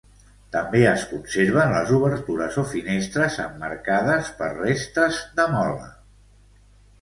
També es conserven les obertures o finestres emmarcades per restes de mola.